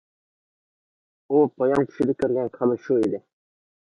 ئۇ بايام چۈشىدە كۆرگەن كالا شۇ ئىدى.